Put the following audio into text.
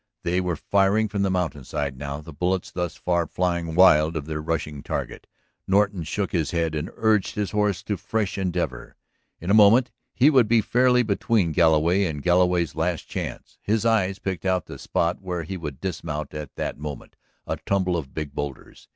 They were firing from the mountainside now, the bullets thus far flying wild of their rushing target. Norton shook his head and urged his horse to fresh endeavor. In a moment he would be fairly between Galloway and Galloway's last chance. His eye picked out the spot where he would dismount at that moment, a tumble of big boulders.